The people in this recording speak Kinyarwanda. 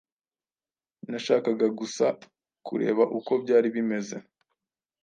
Nashakaga gusa kureba uko byari bimeze.